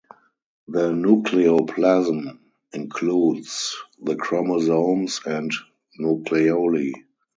The nucleoplasm includes the chromosomes and nucleoli.